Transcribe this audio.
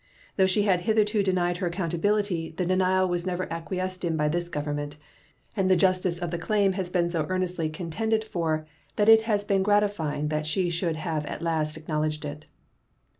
Though she had hitherto denied her accountability, the denial was never acquiesced in by this Government, and the justice of the claim has been so earnestly contended for that it has been gratifying that she should have at last acknowledged it.